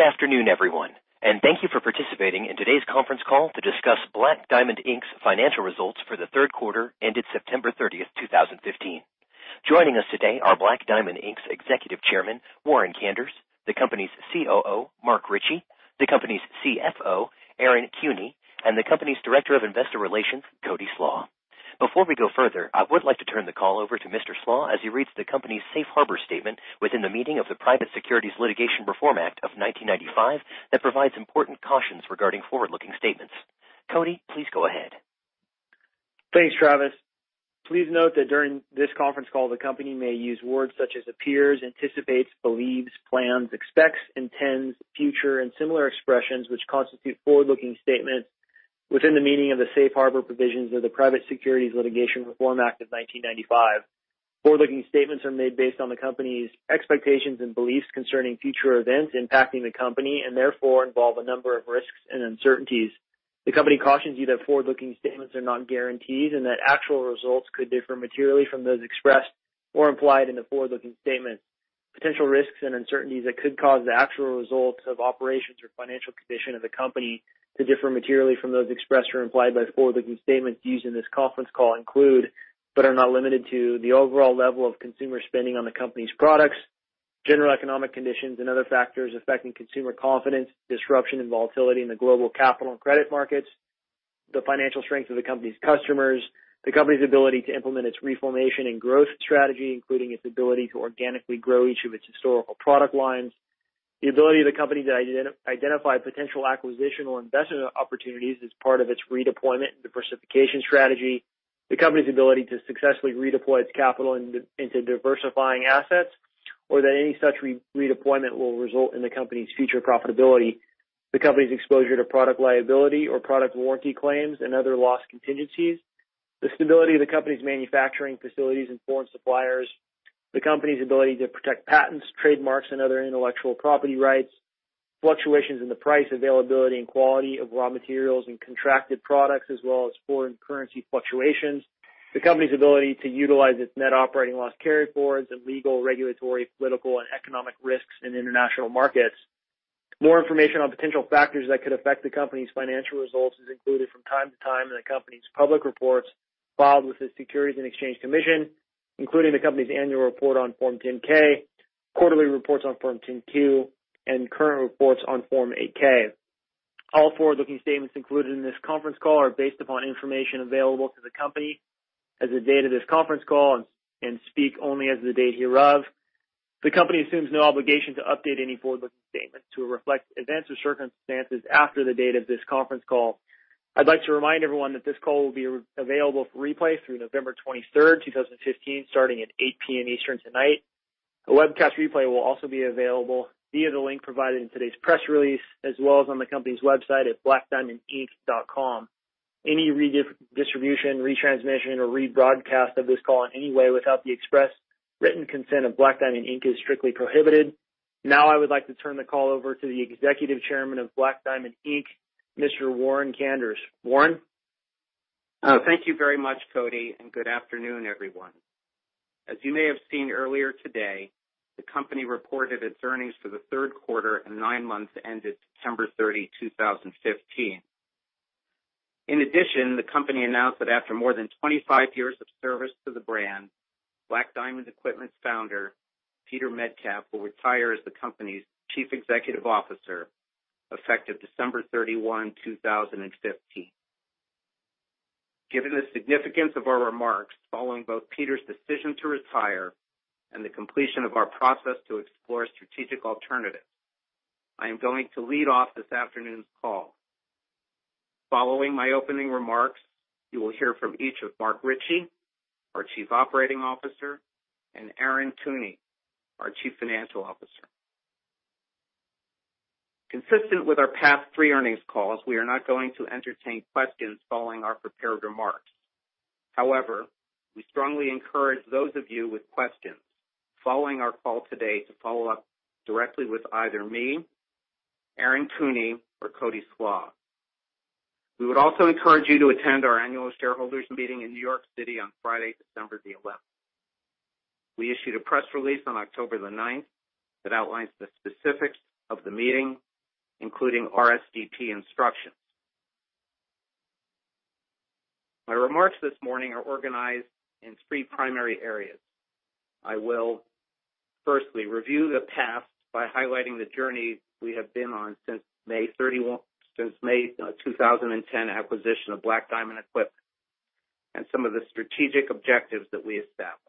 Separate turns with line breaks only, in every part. Good afternoon, everyone, and thank you for participating in today's conference call to discuss Black Diamond, Inc.'s financial results for the third quarter ended September 30th, 2015. Joining us today are Black Diamond, Inc.'s Executive Chairman, Warren Kanders, the company's COO, Mark Ritchie, the company's CFO, Aaron Kuehne, and the company's Director of Investor Relations, Cody Slach. Before we go further, I would like to turn the call over to Mr. Slach as he reads the company's safe harbor statement within the meaning of the Private Securities Litigation Reform Act of 1995, that provides important cautions regarding forward-looking statements. Cody, please go ahead.
Thanks, Travis. Please note that during this conference call, the company may use words such as appears, anticipates, believes, plans, expects, intends, future, and similar expressions, which constitute forward-looking statements within the meaning of the safe harbor provisions of the Private Securities Litigation Reform Act of 1995. Forward-looking statements are made based on the company's expectations and beliefs concerning future events impacting the company, therefore involve a number of risks and uncertainties. The company cautions you that forward-looking statements are not guarantees, and that actual results could differ materially from those expressed or implied in the forward-looking statement. Potential risks and uncertainties that could cause the actual results of operations or financial condition of the company to differ materially from those expressed or implied by the forward-looking statements used in this conference call include, but are not limited to, the overall level of consumer spending on the company's products, general economic conditions and other factors affecting consumer confidence, disruption and volatility in the global capital and credit markets, the financial strength of the company's customers, the company's ability to implement its reformation and growth strategy, including its ability to organically grow each of its historical product lines, the ability of the company to identify potential acquisitional investment opportunities as part of its redeployment and diversification strategy, the company's ability to successfully redeploy its capital into diversifying assets, or that any such redeployment will result in the company's future profitability. The company's exposure to product liability or product warranty claims and other loss contingencies, the stability of the company's manufacturing facilities and foreign suppliers, the company's ability to protect patents, trademarks, and other intellectual property rights, fluctuations in the price, availability, and quality of raw materials and contracted products, as well as foreign currency fluctuations, the company's ability to utilize its Net Operating Loss carry-forwards, and legal, regulatory, political, and economic risks in international markets. More information on potential factors that could affect the company's financial results is included from time to time in the company's public reports filed with the Securities and Exchange Commission, including the company's annual report on Form 10-K, quarterly reports on Form 10-Q, and current reports on Form 8-K. All forward-looking statements included in this conference call are based upon information available to the company as of the date of this conference call and speak only as of the date hereof. The company assumes no obligation to update any forward-looking statements to reflect events or circumstances after the date of this conference call. I'd like to remind everyone that this call will be available for replay through November 23rd, 2015, starting at 8:00 P.M. Eastern tonight. A webcast replay will also be available via the link provided in today's press release, as well as on the company's website at blackdiamondinc.com. Any redistribution, retransmission, or rebroadcast of this call in any way without the express written consent of Black Diamond, Inc. is strictly prohibited. I would like to turn the call over to the Executive Chairman of Black Diamond, Inc., Mr. Warren Kanders. Warren?
Thank you very much, Cody. Good afternoon, everyone. As you may have seen earlier today, the company reported its earnings for the third quarter and nine months ended September 30, 2015. In addition, the company announced that after more than 25 years of service to the brand, Black Diamond Equipment's founder, Peter Metcalf, will retire as the company's Chief Executive Officer effective December 31, 2015. Given the significance of our remarks following both Peter's decision to retire and the completion of our process to explore strategic alternatives, I am going to lead off this afternoon's call. Following my opening remarks, you will hear from each of Mark Ritchie, our Chief Operating Officer, and Aaron Kuehne, our Chief Financial Officer. Consistent with our past three earnings calls, we are not going to entertain questions following our prepared remarks. We strongly encourage those of you with questions following our call today to follow up directly with either me, Aaron Kuehne, or Cody Slach. We would also encourage you to attend our annual shareholders meeting in New York City on Friday, December the 11th. We issued a press release on October the 9th that outlines the specifics of the meeting, including RSVP instructions. My remarks this morning are organized in three primary areas. I will firstly review the past by highlighting the journey we have been on since May 2010 acquisition of Black Diamond Equipment, and some of the strategic objectives that we established.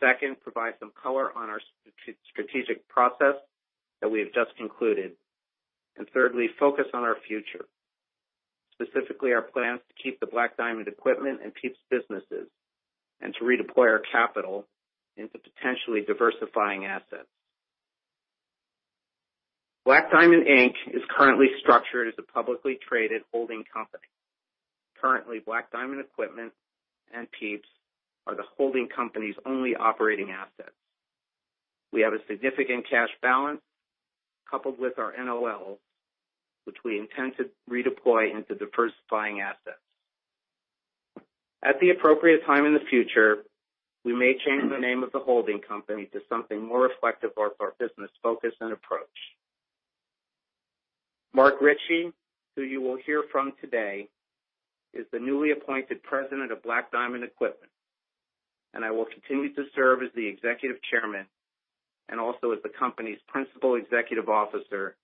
Second, provide some color on our strategic process that we have just concluded, and thirdly, focus on our future, specifically our plans to keep the Black Diamond Equipment and Pieps businesses and to redeploy our capital into potentially diversifying assets. Black Diamond, Inc. is currently structured as a publicly traded holding company. Currently, Black Diamond Equipment and Pieps are the holding company's only operating assets. We have a significant cash balance coupled with our NOL, which we intend to redeploy into diversifying assets. At the appropriate time in the future, we may change the name of the holding company to something more reflective of our business focus and approach. Mark Ritchie, who you will hear from today, is the newly appointed President of Black Diamond Equipment, and I will continue to serve as the Executive Chairman and also as the company's Principal Executive Officer,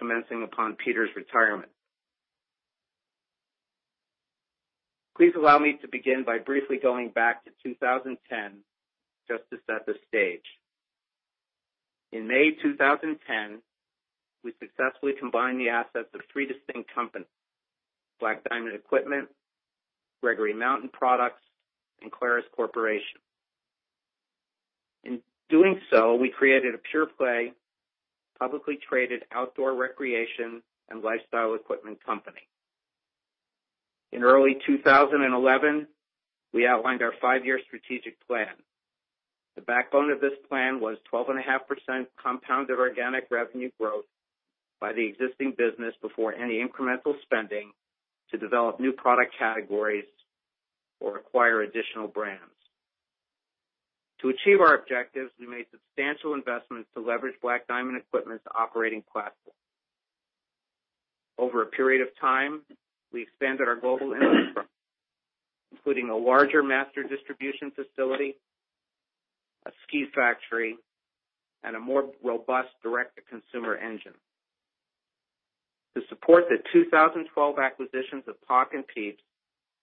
commencing upon Peter's retirement. Please allow me to begin by briefly going back to 2010, just to set the stage. In May 2010, we successfully combined the assets of three distinct companies, Black Diamond Equipment, Gregory Mountain Products, and Clarus Corporation. In doing so, we created a pure play, publicly traded outdoor recreation and lifestyle equipment company. In early 2011, we outlined our five-year strategic plan. The backbone of this plan was 12.5% compound of organic revenue growth by the existing business before any incremental spending to develop new product categories or acquire additional brands. To achieve our objectives, we made substantial investments to leverage Black Diamond Equipment's operating platform. Over a period of time, we expanded our global infrastructure, including a larger master distribution facility, a ski factory, and a more robust direct-to-consumer engine. To support the 2012 acquisitions of POC and Pieps,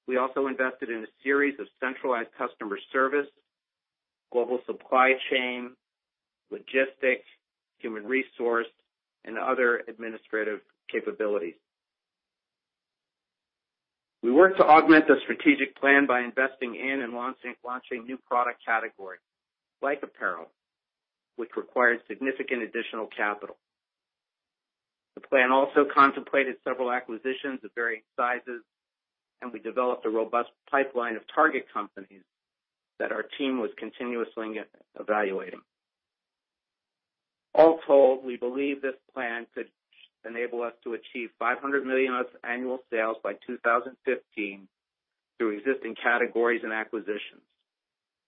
we also invested in a series of centralized customer service, global supply chain, logistics, human resource, and other administrative capabilities. We worked to augment the strategic plan by investing in and launching new product categories, like apparel, which required significant additional capital. The plan also contemplated several acquisitions of varying sizes, and we developed a robust pipeline of target companies that our team was continuously evaluating. We believe this plan could enable us to achieve $500 million of annual sales by 2015 through existing categories and acquisitions,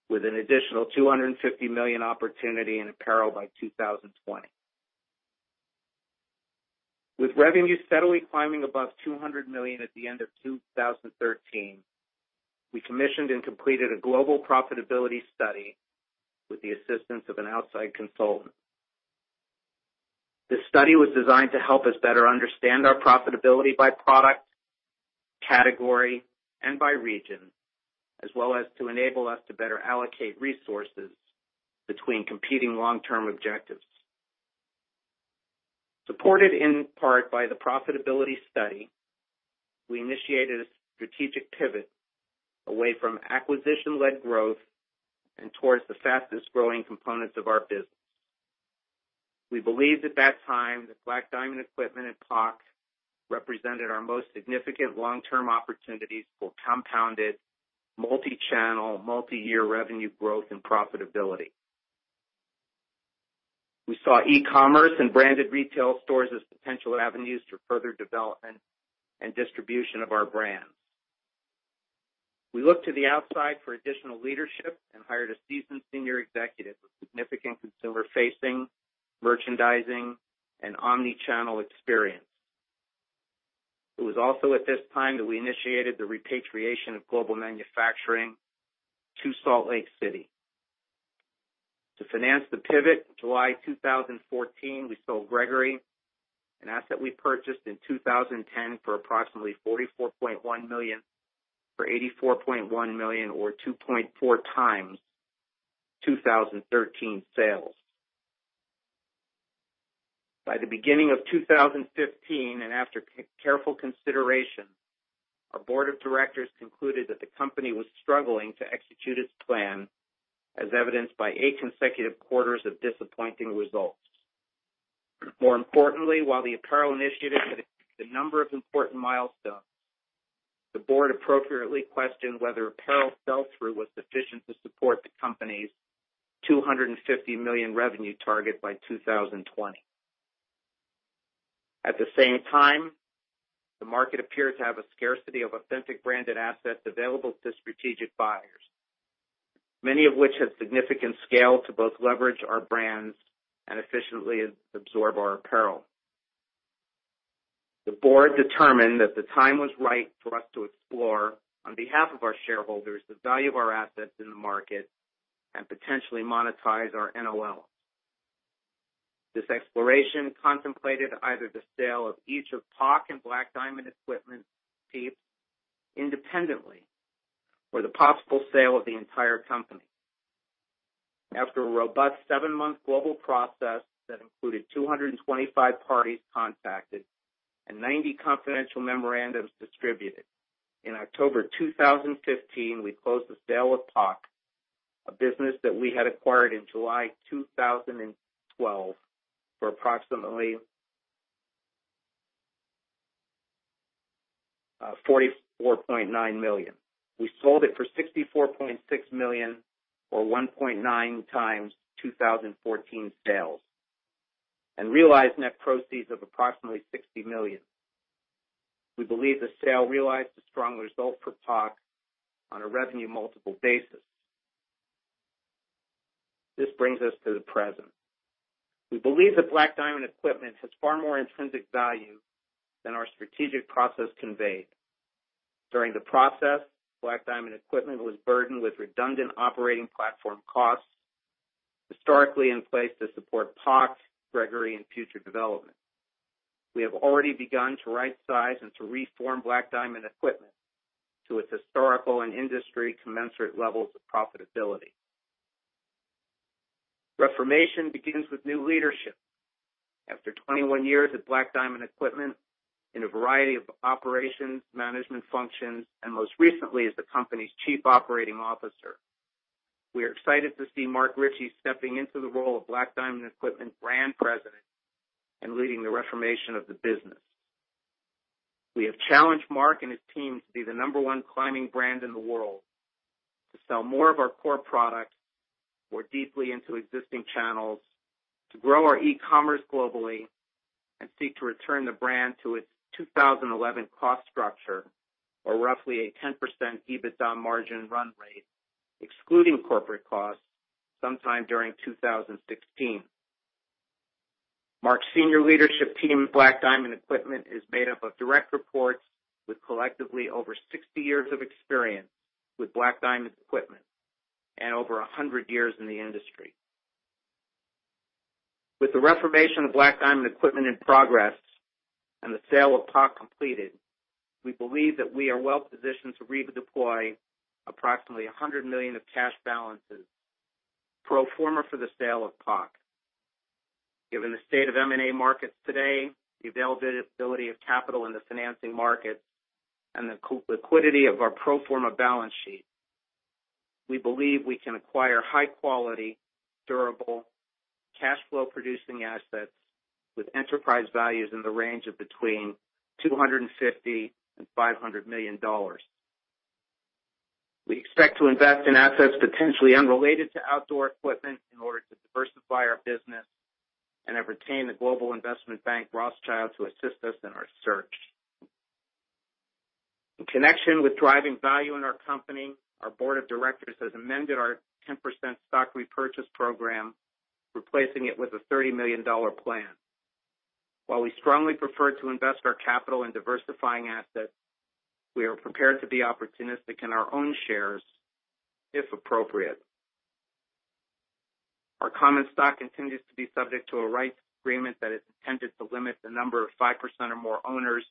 with an additional $250 million opportunity in apparel by 2020. With revenue steadily climbing above $200 million at the end of 2013, we commissioned and completed a global profitability study with the assistance of an outside consultant. This study was designed to help us better understand our profitability by product, category, and by region, as well as to enable us to better allocate resources between competing long-term objectives. Supported in part by the profitability study, we initiated a strategic pivot away from acquisition-led growth and towards the fastest-growing components of our business. We believed at that time that Black Diamond Equipment and POC represented our most significant long-term opportunities for compounded multi-channel, multi-year revenue growth and profitability. We saw e-commerce and branded retail stores as potential avenues to further development and distribution of our brands. We looked to the outside for additional leadership and hired a seasoned senior executive with significant consumer-facing, merchandising, and omnichannel experience. It was also at this time that we initiated the repatriation of global manufacturing to Salt Lake City. To finance the pivot, July 2014, we sold Gregory, an asset we purchased in 2010 for approximately $44.1 million for $84.1 million or 2.4 times 2013 sales. By the beginning of 2015, and after careful consideration, our board of directors concluded that the company was struggling to execute its plan, as evidenced by eight consecutive quarters of disappointing results. More importantly, while the apparel initiative had a number of important milestones, the board appropriately questioned whether apparel sell-through was sufficient to support the company's $250 million revenue target by 2020. At the same time, the market appeared to have a scarcity of authentic branded assets available to strategic buyers, many of which had significant scale to both leverage our brands and efficiently absorb our apparel. The board determined that the time was right for us to explore, on behalf of our shareholders, the value of our assets in the market and potentially monetize our NOL. This exploration contemplated either the sale of each of POC and Black Diamond Equipment, Pieps independently, or the possible sale of the entire company. After a robust seven-month global process that included 225 parties contacted and 90 confidential memorandums distributed, in October 2015, we closed the sale of POC, a business that we had acquired in July 2012 for approximately $44.9 million. We sold it for $64.6 million, or 1.9 times 2014 sales. Realized net proceeds of approximately $60 million. We believe the sale realized a strong result for POC on a revenue multiple basis. This brings us to the present. We believe that Black Diamond Equipment has far more intrinsic value than our strategic process conveyed. During the process, Black Diamond Equipment was burdened with redundant operating platform costs, historically in place to support POC, Gregory, and future development. We have already begun to right-size and to reform Black Diamond Equipment to its historical and industry commensurate levels of profitability. Reformation begins with new leadership. After 21 years at Black Diamond Equipment in a variety of operations, management functions, and most recently as the company's Chief Operating Officer, we are excited to see Mark Ritchie stepping into the role of Black Diamond Equipment Brand President and leading the reformation of the business. We have challenged Mark and his team to be the number one climbing brand in the world, to sell more of our core product more deeply into existing channels, to grow our e-commerce globally, and seek to return the brand to its 2011 cost structure, or roughly a 10% EBITDA margin run rate, excluding corporate costs, sometime during 2016. Mark's senior leadership team at Black Diamond Equipment is made up of direct reports with collectively over 60 years of experience with Black Diamond Equipment and over 100 years in the industry. With the reformation of Black Diamond Equipment in progress and the sale of POC completed, we believe that we are well-positioned to redeploy approximately $100 million of cash balances, pro forma for the sale of POC. Given the state of M&A markets today, the availability of capital in the financing market, and the liquidity of our pro forma balance sheet, we believe we can acquire high-quality, durable, cash flow producing assets with enterprise values in the range of between $250 million and $500 million. We expect to invest in assets potentially unrelated to outdoor equipment in order to diversify our business, and have retained the global investment bank, Rothschild, to assist us in our search. In connection with driving value in our company, our board of directors has amended our 10% stock repurchase program, replacing it with a $30 million plan. While we strongly prefer to invest our capital in diversifying assets, we are prepared to be opportunistic in our own shares if appropriate. Our common stock continues to be subject to a rights agreement that is intended to limit the number of 5% or more owners,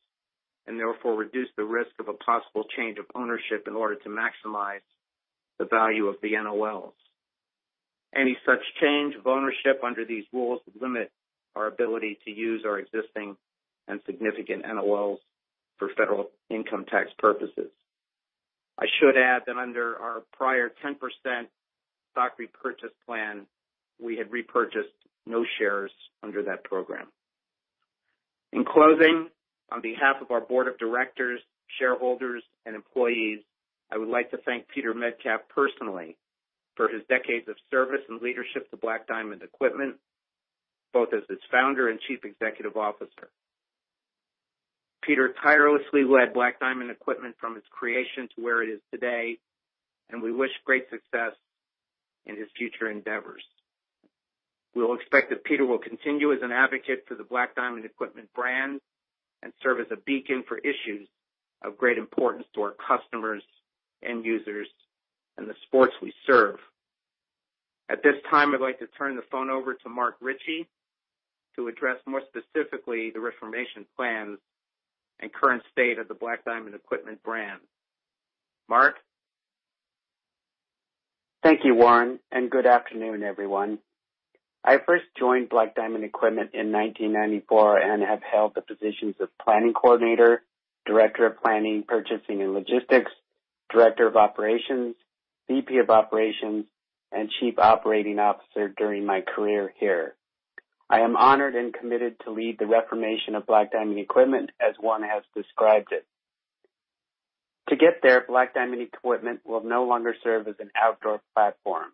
and therefore reduce the risk of a possible change of ownership in order to maximize the value of the NOLs. Any such change of ownership under these rules would limit our ability to use our existing and significant NOLs for federal income tax purposes. I should add that under our prior 10% stock repurchase plan, we had repurchased no shares under that program. In closing, on behalf of our board of directors, shareholders, and employees, I would like to thank Peter Metcalf personally for his decades of service and leadership to Black Diamond Equipment, both as its founder and Chief Executive Officer. Peter tirelessly led Black Diamond Equipment from its creation to where it is today, and we wish great success in his future endeavors. We will expect that Peter will continue as an advocate for the Black Diamond Equipment brand and serve as a beacon for issues of great importance to our customers, end users, and the sports we serve. At this time, I'd like to turn the phone over to Mark Ritchie to address more specifically the reformation plans and current state of the Black Diamond Equipment brand. Mark?
Thank you, Warren, and good afternoon, everyone. I first joined Black Diamond Equipment in 1994 and have held the positions of Planning Coordinator, Director of Planning, Purchasing and Logistics, Director of Operations, VP of Operations, and Chief Operating Officer during my career here. I am honored and committed to lead the reformation of Black Diamond Equipment as one has described it. To get there, Black Diamond Equipment will no longer serve as an outdoor platform.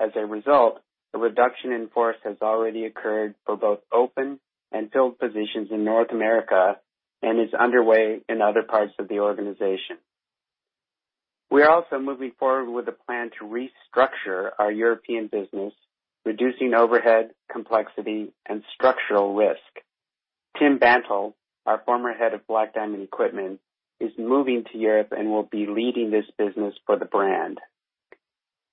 As a result, the reduction in force has already occurred for both open and filled positions in North America and is underway in other parts of the organization. We are also moving forward with a plan to restructure our European business, reducing overhead, complexity, and structural risk. Tim Bantle, our former head of Black Diamond Equipment, is moving to Europe and will be leading this business for the brand.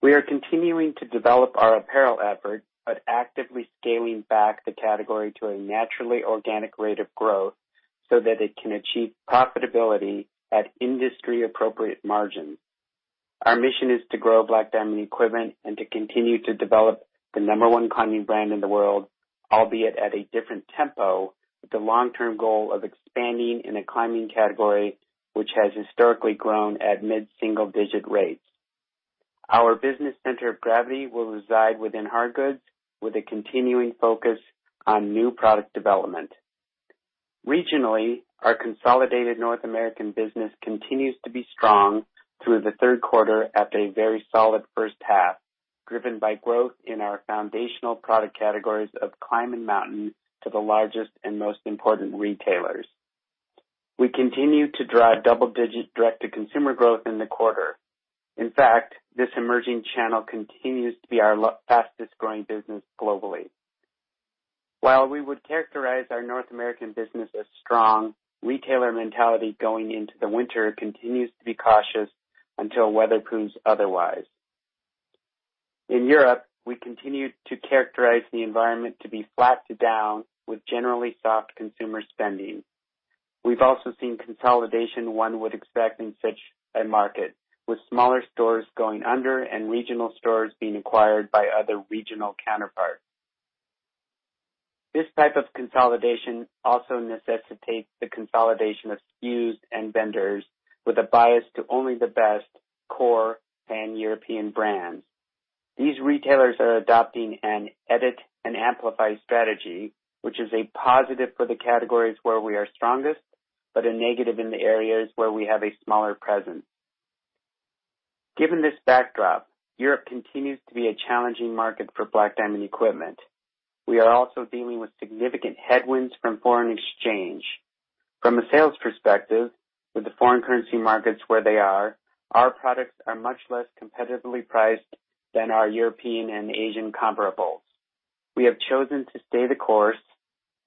We are continuing to develop our apparel effort, but actively scaling back the category to a naturally organic rate of growth so that it can achieve profitability at industry appropriate margins. Our mission is to grow Black Diamond Equipment and to continue to develop the number 1 climbing brand in the world, albeit at a different tempo, with the long-term goal of expanding in a climbing category, which has historically grown at mid-single digit rates. Our business center of gravity will reside within hard goods with a continuing focus on new product development. Regionally, our consolidated North American business continues to be strong through the third quarter after a very solid first half, driven by growth in our foundational product categories of climb and Mountain to the largest and most important retailers. We continue to drive double-digit direct-to-consumer growth in the quarter. In fact, this emerging channel continues to be our fastest-growing business globally. While we would characterize our North American business as strong, retailer mentality going into the winter continues to be cautious until weather proves otherwise. In Europe, we continue to characterize the environment to be flat to down, with generally soft consumer spending. We've also seen consolidation one would expect in such a market, with smaller stores going under and regional stores being acquired by other regional counterparts. This type of consolidation also necessitates the consolidation of SKUs and vendors with a bias to only the best core Pan-European brands. These retailers are adopting an edit and amplify strategy, which is a positive for the categories where we are strongest, but a negative in the areas where we have a smaller presence. Given this backdrop, Europe continues to be a challenging market for Black Diamond Equipment. We are also dealing with significant headwinds from foreign exchange. From a sales perspective, with the foreign currency markets where they are, our products are much less competitively priced than our European and Asian comparables. We have chosen to stay the course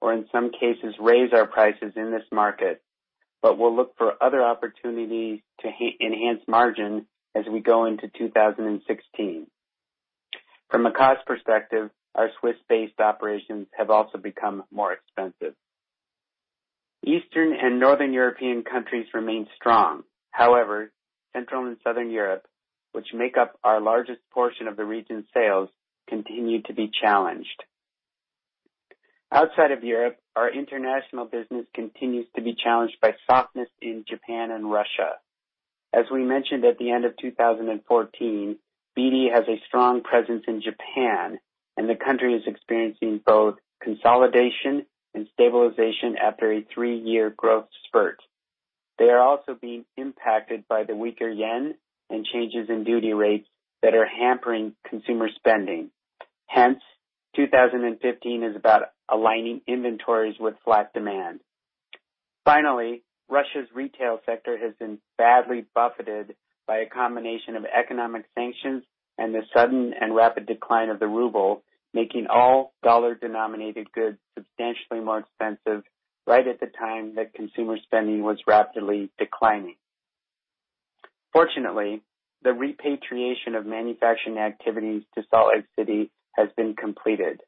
or in some cases, raise our prices in this market, but we'll look for other opportunities to enhance margin as we go into 2016. From a cost perspective, our Swiss-based operations have also become more expensive. Eastern and Northern European countries remain strong. However, Central and Southern Europe, which make up our largest portion of the region's sales, continue to be challenged. Outside of Europe, our international business continues to be challenged by softness in Japan and Russia. As we mentioned at the end of 2014, BD has a strong presence in Japan, and the country is experiencing both consolidation and stabilization after a three-year growth spurt. They are also being impacted by the weaker JPY and changes in duty rates that are hampering consumer spending. 2015 is about aligning inventories with flat demand. Russia's retail sector has been badly buffeted by a combination of economic sanctions and the sudden and rapid decline of the RUB, making all USD-denominated goods substantially more expensive right at the time that consumer spending was rapidly declining. The repatriation of manufacturing activities to Salt Lake City has been completed.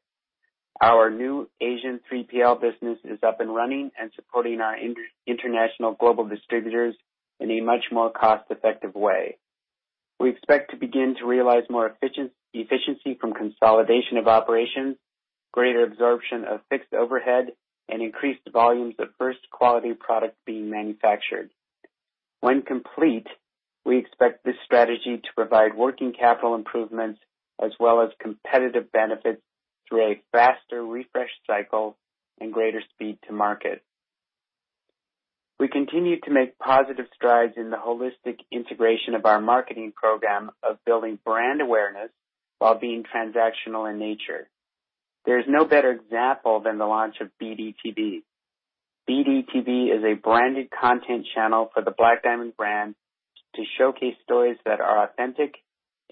Our new Asian 3PL business is up and running and supporting our international global distributors in a much more cost-effective way. We expect to begin to realize more efficiency from consolidation of operations, greater absorption of fixed overhead, and increased volumes of first-quality product being manufactured. When complete, we expect this strategy to provide working capital improvements as well as competitive benefits through a faster refresh cycle and greater speed to market. We continue to make positive strides in the holistic integration of our marketing program of building brand awareness while being transactional in nature. There is no better example than the launch of BDTV. BDTV is a branded content channel for the Black Diamond brand to showcase stories that are authentic,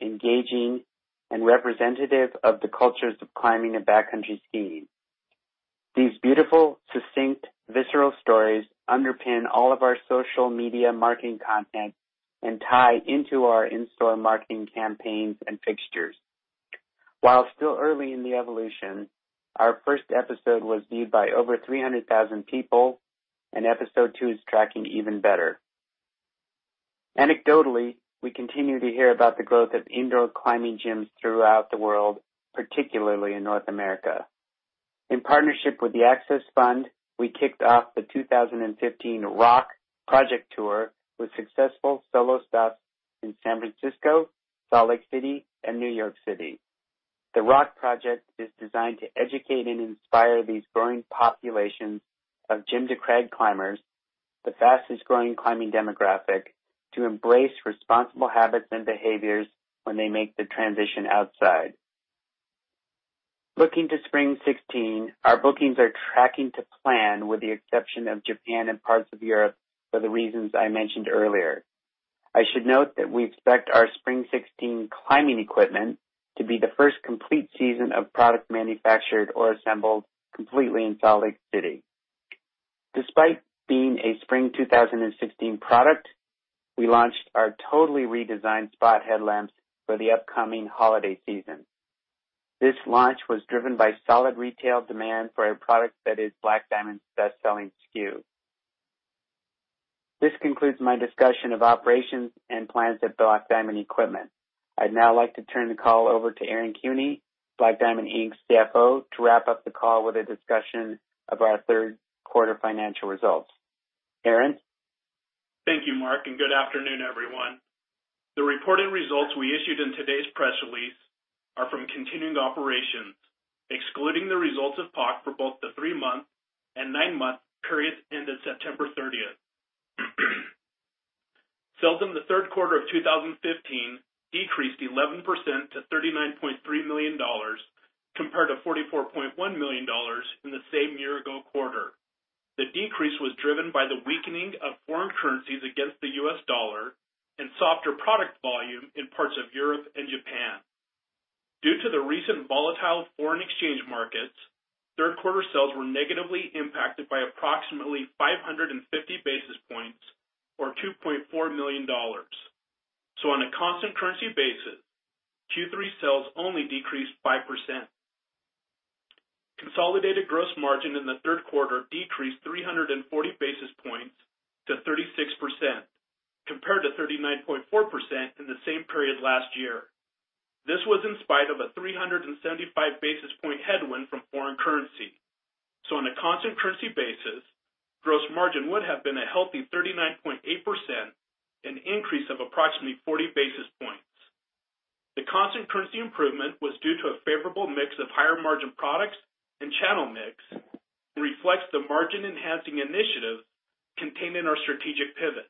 engaging, and representative of the cultures of climbing and backcountry skiing. These beautiful, succinct, visceral stories underpin all of our social media marketing content and tie into our in-store marketing campaigns and fixtures. While still early in the evolution, our first episode was viewed by over 300,000 people, and episode two is tracking even better. Anecdotally, we continue to hear about the growth of indoor climbing gyms throughout the world, particularly in North America. In partnership with the Access Fund, we kicked off the 2015 Rock Project Tour with successful solo stops in San Francisco, Salt Lake City, and New York City. The Rock Project is designed to educate and inspire these growing populations of gym-to-crag climbers, the fastest-growing climbing demographic, to embrace responsible habits and behaviors when they make the transition outside. Looking to spring 2016, our bookings are tracking to plan, with the exception of Japan and parts of Europe for the reasons I mentioned earlier. I should note that we expect our spring 2016 climbing equipment to be the first complete season of product manufactured or assembled completely in Salt Lake City. Despite being a spring 2016 product, we launched our totally redesigned Spot headlamps for the upcoming holiday season. This launch was driven by solid retail demand for a product that is Black Diamond's best-selling SKU. This concludes my discussion of operations and plans at Black Diamond Equipment. I'd now like to turn the call over to Aaron Kuehne, Black Diamond, Inc.'s CFO, to wrap up the call with a discussion of our third quarter financial results. Aaron?
Thank you, Mark, and good afternoon, everyone. The reported results we issued in today's press release are from continuing operations, excluding the results of POC for both the three-month and nine-month periods ending September 30th. Sales in the third quarter of 2015 decreased 11% to $39.3 million, compared to $44.1 million in the same year-ago quarter. The decrease was driven by the weakening of foreign currencies against the US dollar and softer product volume in parts of Europe and Japan. Due to the recent volatile foreign exchange markets, third quarter sales were negatively impacted by approximately 550 basis points or $2.4 million. On a constant currency basis, Q3 sales only decreased 5%. Consolidated gross margin in the third quarter decreased 340 basis points to 36%, compared to 39.4% in the same period last year. This was in spite of a 375 basis point headwind from foreign currency. On a constant currency basis, gross margin would have been a healthy 39.8%, an increase of approximately 40 basis points. The constant currency improvement was due to a favorable mix of higher margin products and channel mix, and reflects the margin-enhancing initiative contained in our strategic pivot.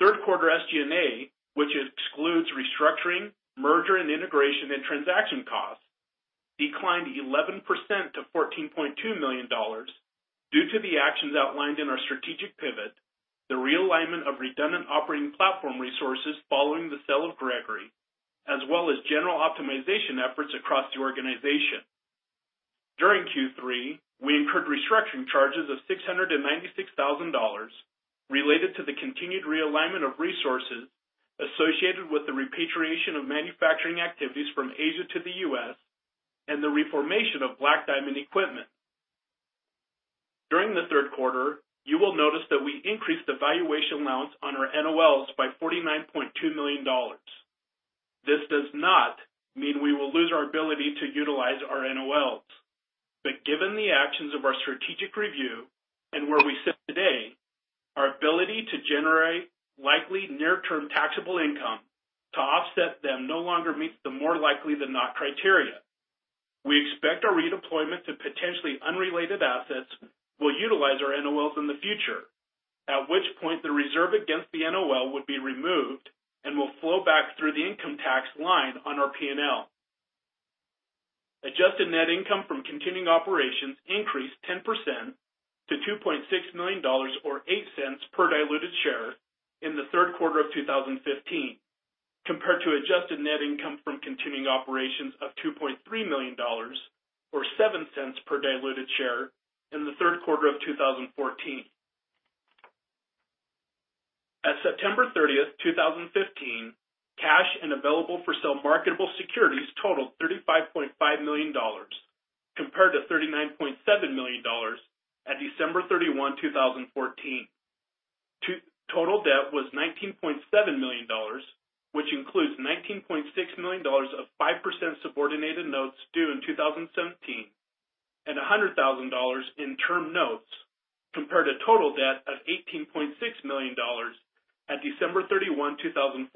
Third quarter SG&A, which excludes restructuring, merger and integration and transaction costs, declined 11% to $14.2 million due to the actions outlined in our strategic pivot, the realignment of redundant operating platform resources following the sale of Gregory, as well as general optimization efforts across the organization. During Q3, we incurred restructuring charges of $696,000 related to the continued realignment of resources associated with the repatriation of manufacturing activities from Asia to the U.S. and the reformation of Black Diamond Equipment. During the third quarter, you will notice that we increased the valuation allowance on our NOLs by $49.2 million. This does not mean we will lose our ability to utilize our NOLs. Given the actions of our strategic review and where we sit today, our ability to generate likely near-term taxable income to offset them no longer meets the more likely than not criteria. We expect our redeployment to potentially unrelated assets will utilize our NOLs in the future, at which point the reserve against the NOL would be removed and will flow back through the income tax line on our P&L. Adjusted net income from continuing operations increased 10% to $2.6 million or $0.08 per diluted share in the third quarter of 2015, compared to adjusted net income from continuing operations of $2.3 million or $0.07 per diluted share in the third quarter of 2014. At September 30, 2015, cash and available for sale marketable securities totaled $35.5 million, compared to $39.7 million at December 31, 2014. Total debt was $19.7 million, which includes $19.6 million of 5% subordinated notes due in 2017 and $100,000 in term notes, compared to total debt of $18.6 million at December 31, 2014.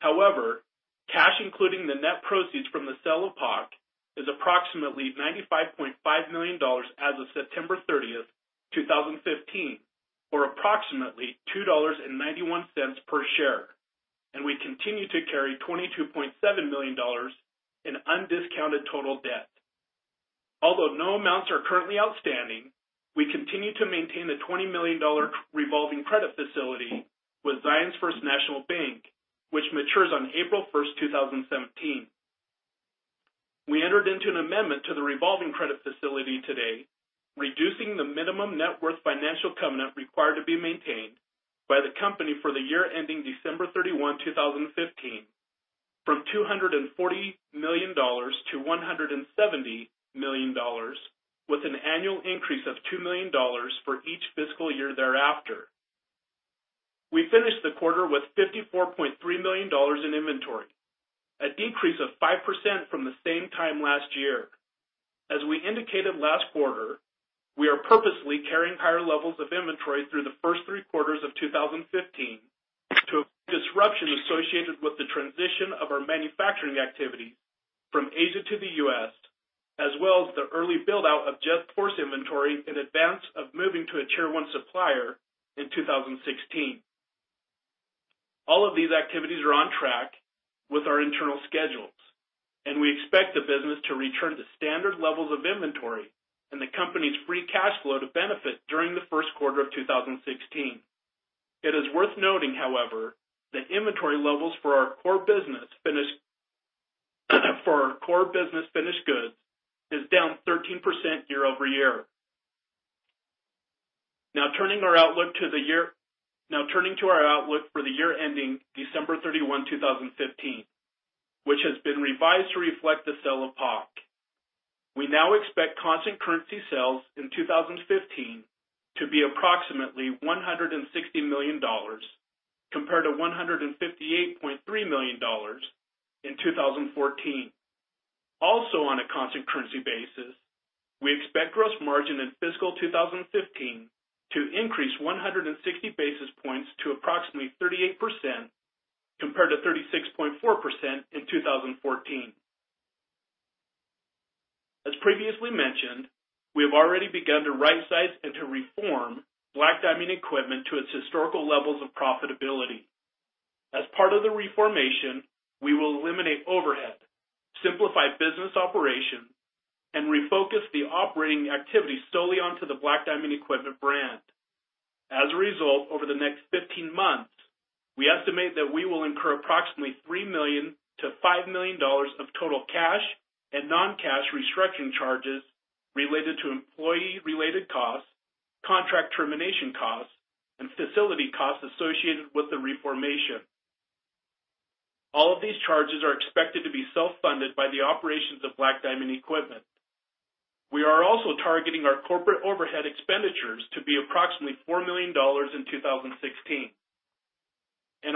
However, cash including the net proceeds from the sale of POC is approximately $95.5 million as of September 30th, 2015, or approximately $2.91 per share. We continue to carry $22.7 million in undiscounted total debt. Although no amounts are currently outstanding, we continue to maintain the $20 million revolving credit facility with Zions First National Bank, which matures on April 1st, 2017. We entered into an amendment to the revolving credit facility today, reducing the minimum net worth financial covenant required to be maintained by the company for the year ending December 31, 2015, from $240 million to $170 million with an annual increase of $2 million for each fiscal year thereafter. We finished the quarter with $54.3 million in inventory, a decrease of 5% from the same time last year. As we indicated last quarter, we are purposely carrying higher levels of inventory through the first three quarters of 2015 to a disruption associated with the transition of our manufacturing activity from Asia to the U.S., as well as the early build-out of JetForce inventory in advance of moving to a Tier 1 supplier in 2016. All of these activities are on track with our internal schedules, and we expect the business to return to standard levels of inventory and the company's free cash flow to benefit during the first quarter of 2016. It is worth noting, however, that inventory levels for our core business finished goods is down 13% year-over-year. Turning to our outlook for the year ending December 31, 2015, which has been revised to reflect the sale of POC. We now expect constant currency sales in 2015 to be approximately $160 million compared to $158.3 million in 2014. On a constant currency basis, we expect gross margin in fiscal 2015 to increase 160 basis points to approximately 38%, compared to 36.4% in 2014. As previously mentioned, we have already begun to rightsize and to reform Black Diamond Equipment to its historical levels of profitability. As part of the reformation, we will eliminate overhead, simplify business operations, and refocus the operating activity solely onto the Black Diamond Equipment brand. As a result, over the next 15 months, we estimate that we will incur approximately $3 million-$5 million of total cash and non-cash restructuring charges related to employee-related costs, contract termination costs, and facility costs associated with the reformation. All of these charges are expected to be self-funded by the operations of Black Diamond Equipment. We are also targeting our corporate overhead expenditures to be approximately $4 million in 2016.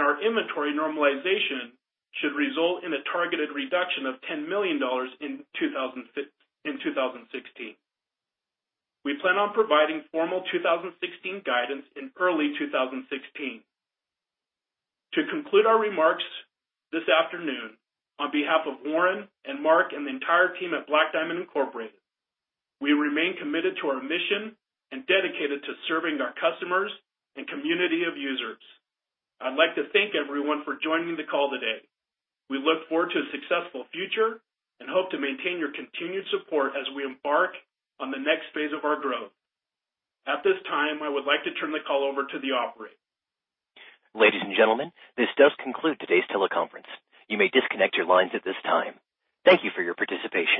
Our inventory normalization should result in a targeted reduction of $10 million in 2016. We plan on providing formal 2016 guidance in early 2016. To conclude our remarks this afternoon, on behalf of Warren and Mark and the entire team at Black Diamond, Inc., we remain committed to our mission and dedicated to serving our customers and community of users. I'd like to thank everyone for joining the call today. We look forward to a successful future and hope to maintain your continued support as we embark on the next phase of our growth. At this time, I would like to turn the call over to the Operator.
Ladies and gentlemen, this does conclude today's teleconference. You may disconnect your lines at this time. Thank you for your participation.